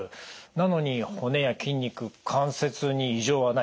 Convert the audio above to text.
なのに骨や筋肉関節に異常はない。